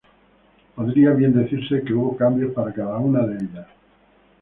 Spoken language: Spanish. Podría bien decirse que hubo cambios para cada una de ellas.